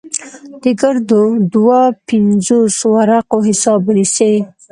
د ګردو دوه پينځوس ورقو حساب به نيسې.